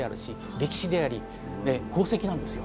歴史であり宝石なんですよ。